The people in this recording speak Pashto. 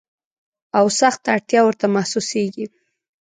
او سخته اړتیا ورته محسوسیږي.